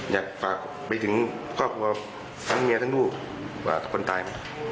อยากฟักไปถึงพ่อครัวครัวทุกข้าน้ำเมียทั้งลูกผลาคนตายไหม